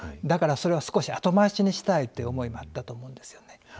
だからそれは少し後回しにしたいという思いもあったと思うんですよね。